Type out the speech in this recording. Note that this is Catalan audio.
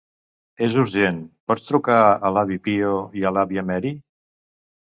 És urgent; pots trucar a l'avi Pío i a l'àvia Mery?